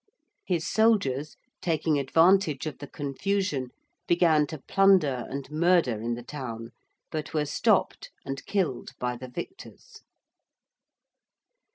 His soldiers taking advantage of the confusion began to plunder and murder in the town, but were stopped and killed by the victors.